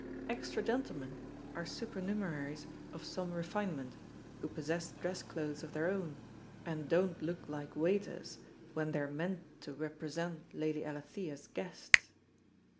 "Extra gentlemen" are super numeraries of some refinement, who possess dress clothes of their own and don*t look like waiters when they are meant to represent Lady Alethea^s guests.